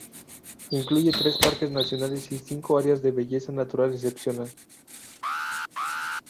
Incluyen tres parques nacionales y cinco áreas de belleza natural excepcional.